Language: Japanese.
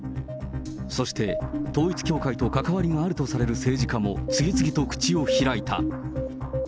そして、統一教会と関わりがあるとされる政治家も、次々と口を開いた。